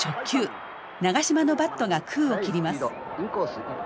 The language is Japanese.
長嶋のバットが空を切ります。